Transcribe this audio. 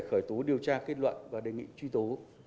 khởi tố điều tra kết luận và đề nghị truy tố